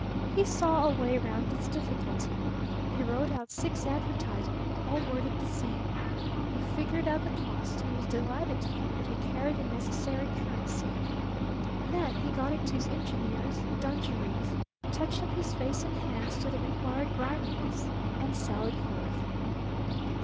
He saw a way round this difficulty. He wrote out six advertisements, all worded the same. He figured out the cost and was delighted to find that he carried the necessary currency. Then he got into his engineer's dungarees, touched up his face and hands to the required griminess, and sallied forth.